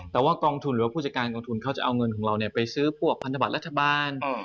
แต่ว่ากองทุนจะเอาเงินของเราไปซื้อพันธบัตรรัฐบาล